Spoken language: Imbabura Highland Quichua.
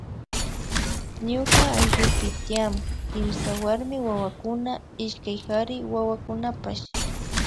Ñuka ayllupi tian kimsa warmi wawakuna ishkay kari wawakunapash